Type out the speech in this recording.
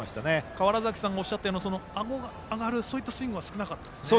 川原崎さんがおっしゃったようにあごが上がるスイングは少なかったですね。